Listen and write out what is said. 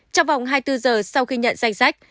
trong vòng hai mươi bốn giờ sau khi nhận danh sách